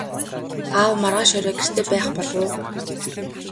Аав маргааш орой гэртээ байх болов уу?